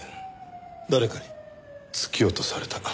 誰かに突き落とされた。